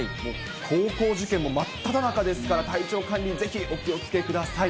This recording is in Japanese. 高校受験も真っただ中ですから、体調管理、ぜひお気をつけください。